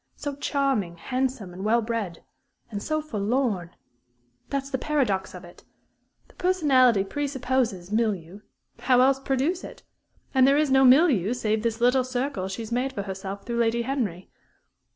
So charming, handsome, and well bred and so forlorn! That's the paradox of it. The personality presupposes a milieu else how produce it? And there is no milieu, save this little circle she has made for herself through Lady Henry....